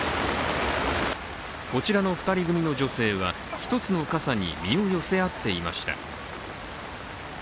こちらの２人組の女性は、一つの傘に身を寄せ合っていました。